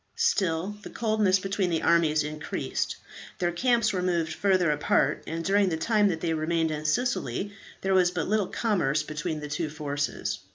Still the coldness between the armies increased, their camps were moved further apart, and during the time that they remained in Sicily, there was but little commerce between the two forces.